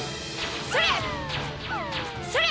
それ！